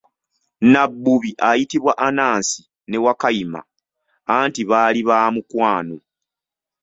Nabbubi ayitibwa Anansi ne Wakayima anti baali baamukwano.